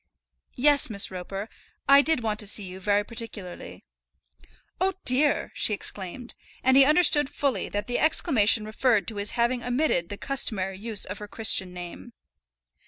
"Yes, Miss Roper, I did want to see you very particularly." "Oh, dear!" she exclaimed, and he understood fully that the exclamation referred to his having omitted the customary use of her Christian name.